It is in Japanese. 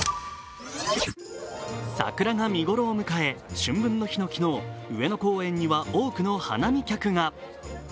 桜が見頃を迎え、春分の日の昨日上野公園には多くの花見客が。